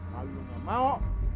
kalau gak mau